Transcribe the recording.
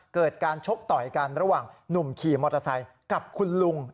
เกิดการชกต่อยกันระหว่างหนุ่มขี่มอเตอร์ไซค์กับคุณลุง